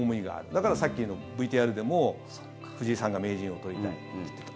だから、さっきのＶＴＲでも藤井さんが名人を取りたいと言っていた。